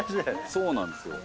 そうなんですよ。